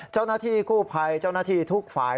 เจ้าหน้าที่กู้ภัยเจ้าหน้าที่ทุกฝ่าย